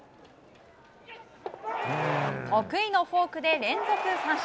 得意のフォークで連続三振。